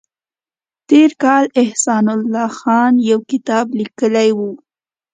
تېر کال احسان الله خان یو کتاب لیکلی و